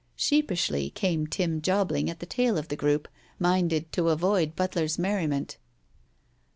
Sheepishly came Tim Jobling at the tail of the group, minded to avoid Butler's merriment.